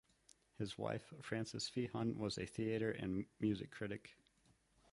His wife, Frances Feehan, was a theatre and music critic.